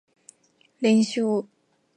連勝